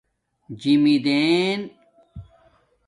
جیمدݵین